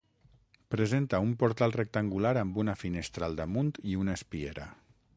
Presenta un portal rectangular amb una finestra al damunt i una espiera.